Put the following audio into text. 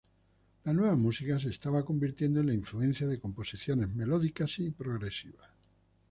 La nueva música se estaba convirtiendo en la influencia de composiciones melódicas y progresivas.